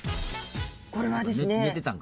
これはですね。